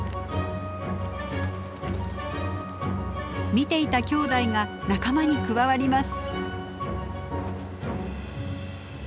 見ていたきょうだいが仲間に加わります。